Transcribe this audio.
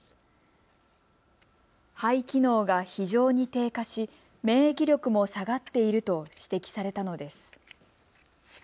肺機能が非常に低下し免疫力も下がっていると指摘されたのです。